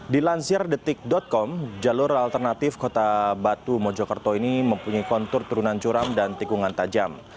dilansir detik com jalur alternatif kota batu mojokerto ini mempunyai kontur turunan curam dan tikungan tajam